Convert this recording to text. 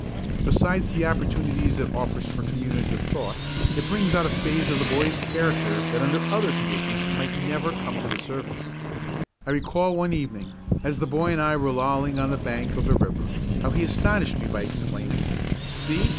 Besides the opportunities it offers for community of thought, it brings out a phase of the boy's character that under other conditions might never come to the surface. I recall one evening, as the boy and I were lolling on the bank of a river, how he astonished me by exclaiming: "See!